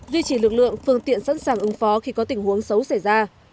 duy trì lực lượng phương tiện sẵn sàng ứng phó khi có tình huống xấu xảy ra